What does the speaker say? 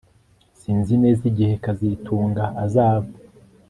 Sinzi neza igihe kazitunga azava